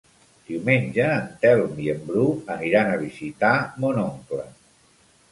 Diumenge en Telm i en Bru aniran a visitar mon oncle.